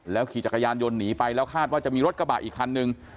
ขี่จักรยานยนต์หนีไปแล้วคาดว่าจะมีรถกระบะอีกคันนึง